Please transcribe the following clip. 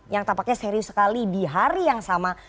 yang tampaknya serius sekali di hari yang sama